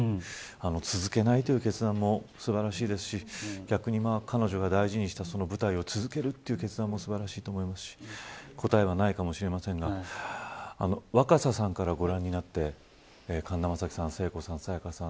続けないという決断も素晴らしいですし逆に彼女が大事にした舞台を続けるという決断も素晴らしいと思いますし答えはないかもしれませんが若狭さんからご覧になって神田さん、聖子さん、沙也加さん